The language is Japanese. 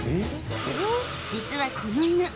実はこの犬